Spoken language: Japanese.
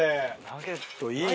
ナゲットいいね。